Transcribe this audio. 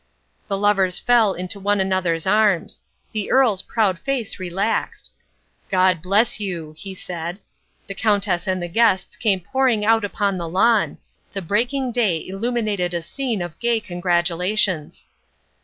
The lovers fell into one another's arms. The Earl's proud face relaxed. "God bless you," he said. The Countess and the guests came pouring out upon the lawn. The breaking day illuminated a scene of gay congratulations.